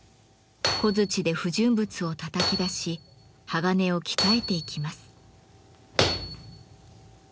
小づちで不純物をたたき出し鋼を鍛えていきます。